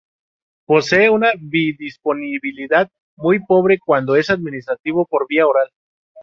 Posee una biodisponibilidad muy pobre cuando es administrado por vía oral.